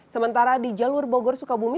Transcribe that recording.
sementara di jalur bogor sukabumi